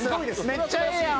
めっちゃええやん。